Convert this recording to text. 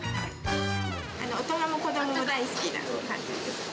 大人も子どもも大好きな感じですね。